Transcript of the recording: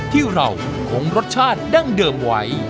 ที่เราคงรสชาติดั้งเดิมไว้